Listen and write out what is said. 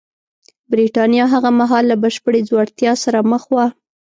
برېټانیا هغه مهال له بشپړې ځوړتیا سره مخ وه